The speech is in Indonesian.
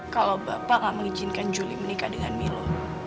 kalau bapak gak mengizinkan juli menikah dengan milo